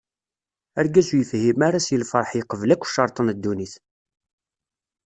Argaz ur yefhim ara seg lferḥ yeqbel akk ccerṭ n dunnit.